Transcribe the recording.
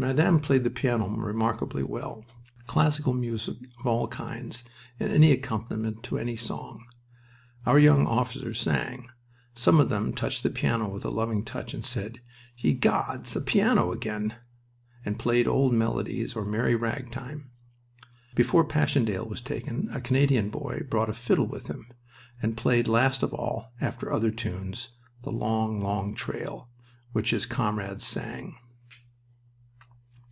Madame played the piano remarkably well, classical music of all kinds, and any accompaniment to any song. Our young officers sang. Some of them touched the piano with a loving touch and said, "Ye gods, a piano again!" and played old melodies or merry ragtime. Before Passchendaele was taken a Canadian boy brought a fiddle with him, and played last of all, after other tunes, "The Long, Long Trail," which his comrades sang.